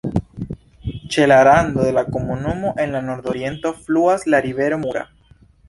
Ĉe la rando de la komunumo en la nordoriento fluas la rivero Mura.